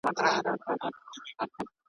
د جاهل ژبه به ولي لکه توره چلېدلای .